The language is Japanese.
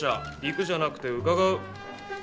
行くじゃなくて「伺う」。